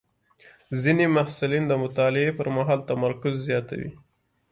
ځینې محصلین د مطالعې پر مهال تمرکز زیاتوي.